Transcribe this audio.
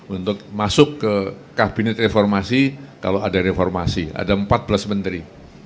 untuk masuk ke kabinet reformasi kalau ada reformasi ada empat belas menteri